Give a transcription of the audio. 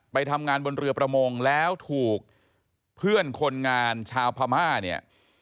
ไปทำงานบนเรือประมงแล้วถูกเพื่อนคนงานชาวพม่าเนี่ย